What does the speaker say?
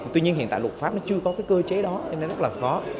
tuy nhiên hiện tại lục pháp chưa có cơ chế đó nên rất là khó